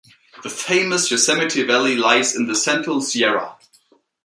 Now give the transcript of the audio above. The famous Yosemite Valley lies in the Central Sierra.